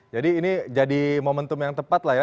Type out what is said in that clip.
jadi ini jadi momentum yang tepat lah ya